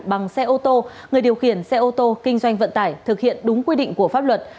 bằng xe ô tô người điều khiển xe ô tô kinh doanh vận tải thực hiện đúng quy định của pháp luật